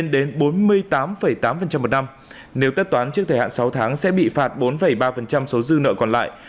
đến bốn mươi tám tám một năm nếu tất toán trước thời hạn sáu tháng sẽ bị phạt bốn ba số dư nợ còn lại